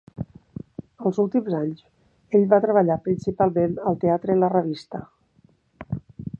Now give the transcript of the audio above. Els últims anys, ell va treballar principalment al teatre i la revista.